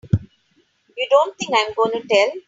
You don't think I'm gonna tell!